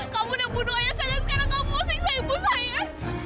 kamu udah bunuh ayah saya dan sekarang kamu posek sa ibu saya